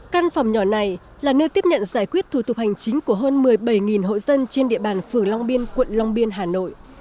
căn phòng nhỏ này là nơi tiếp nhận giải quyết thủ tục hành chính của hơn một mươi bảy hộ dân trên địa bàn phường long biên quận long biên hà nội